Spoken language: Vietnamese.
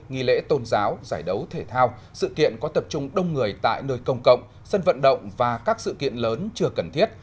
nghỉ lễ tôn giáo giải đấu thể thao sự kiện có tập trung đông người tại nơi công cộng sân vận động và các sự kiện lớn chưa cần thiết